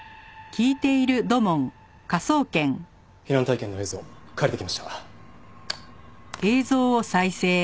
避難体験の映像借りてきました。